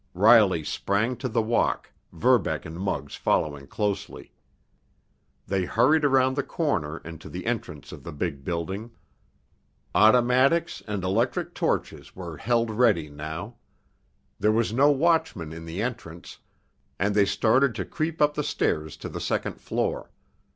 Riley sprang to the walk, Verbeck and Muggs following closely. They hurried around the corner and to the entrance of the big building. Automatics and electric torches were held ready now. There was no watchman in the entrance, and they started to creep up the stairs to the second floor.